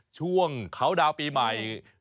ช่วงเช้าดาวปีใหม่